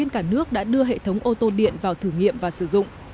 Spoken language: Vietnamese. cả nước đã đưa hệ thống ô tô điện vào thử nghiệm và sử dụng